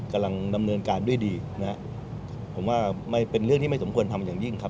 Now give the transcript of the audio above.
กำลังดำเนินการด้วยดีนะฮะผมว่าไม่เป็นเรื่องที่ไม่สมควรทำอย่างยิ่งครับ